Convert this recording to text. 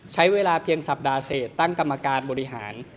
ใช้เวลาเพียงสัปดาห์เศษตั้งกรรมการบริหาร